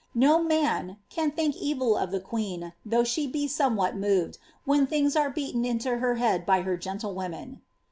No man, 'can think evil •d* the queen, though she be somewhat tnoved, when things are b^ien into her head by her gentlewomen.'